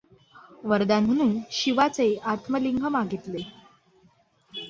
वरदान म्हणून शिवाचे आत्मलिंग मागितले.